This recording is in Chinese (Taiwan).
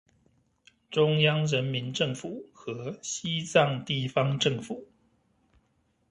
中央人民政府和西藏地方政府